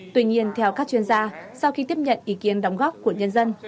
tuy nhiên theo các chuyên gia sau khi tiếp nhận ý kiến đóng góp của nhân dân